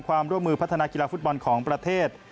ความร่วมมือพัฒนากีฬาฟุตบอลของประเทศ